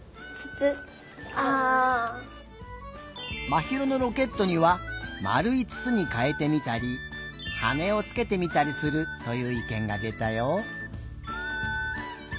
まひろのロケットにはまるいつつにかえてみたりはねをつけてみたりするといういけんがでたよ。